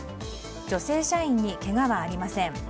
女性社員にけがはありません。